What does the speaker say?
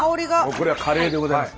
これはカレーでございます。